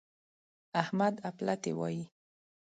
احمد اپلاتي وايي.